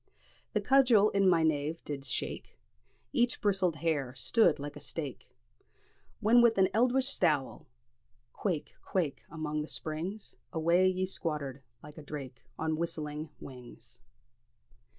The cudgel in my nieve did shake, Each bristled hair stood like a stake, When wi' an eldritch stour, 'quaick! quaick!' Among the springs Awa' ye squattered, like a drake, On whistling wings."